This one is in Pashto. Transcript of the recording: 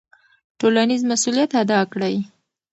ټولنیز مسوولیت ادا کړئ.